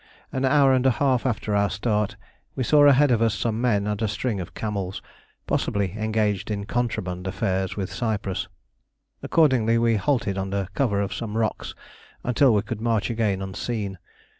An hour and a half after our start we saw ahead of us some men and a string of camels, possibly engaged in contraband affairs with Cyprus. Accordingly we halted under cover of some rocks until we could march again unseen.